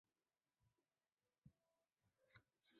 而故事的本质经由设置在疗养院中被加强。